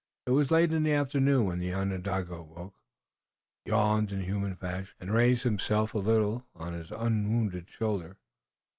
It was late in the afternoon when the Onondaga awoke, yawned in human fashion, and raised himself a little on his unwounded shoulder.